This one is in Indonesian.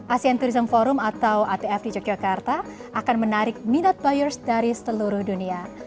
asean tourism forum atau atf di yogyakarta akan menarik minat buyers dari seluruh dunia